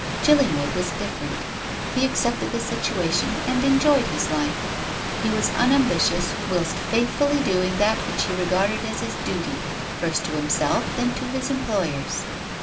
Chillingwood was different; he accepted the situation and enjoyed his life. He was unambitious whilst faithfully doing that which he regarded as his duty, first to himself, then to his employers.